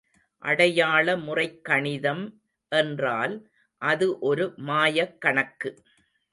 அடையாளமுறைக் கணிதம் என்றால் அது ஒரு மாயக் கணக்கு.